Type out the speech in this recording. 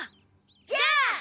じゃあ。